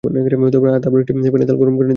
তারপর একটি প্যানে তেল গরম করে নিতে হবে।